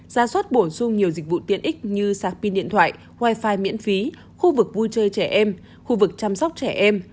ra soát bổ sung nhiều dịch vụ tiện ích như sạc pin điện thoại wifi miễn phí khu vực vui chơi trẻ em khu vực chăm sóc trẻ em